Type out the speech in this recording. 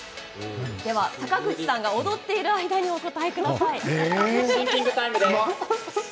坂口さんが踊っている間にお答えください。